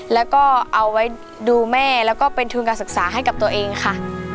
แล้วก็เอาไว้ดูแม่แล้วก็เป็นทุนการศึกษาให้กับตัวเองค่ะ